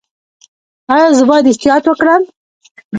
ایا زه باید احتیاط وکړم؟